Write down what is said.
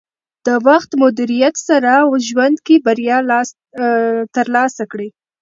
د وخت مدیریت سره ژوند کې بریا ترلاسه کړئ.